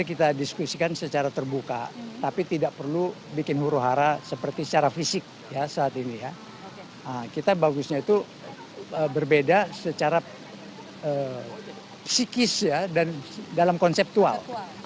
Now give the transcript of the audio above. itu berbeda secara psikis dan dalam konseptual